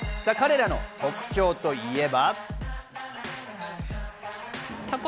彼らの特徴といえば。